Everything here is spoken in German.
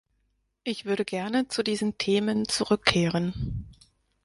Ich würde gerne zu diesen Themen zurückkehren.